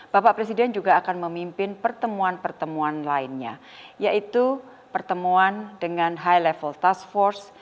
bapak presiden juga akan memimpin pertemuan pertemuan lainnya yaitu pertemuan dengan high level task force